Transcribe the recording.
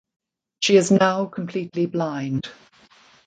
She is now completely blind.